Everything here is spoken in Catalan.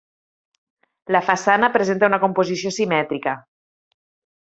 La façana presenta una composició simètrica.